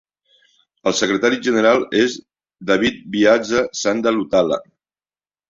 El secretari general és David Byaza Sanda Lutala.